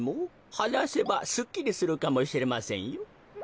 はなせばすっきりするかもしれませんよ。